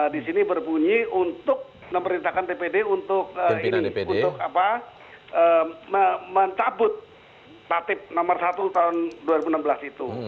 di sini berbunyi untuk memerintahkan dpd untuk mencabut tatib nomor satu tahun dua ribu enam belas itu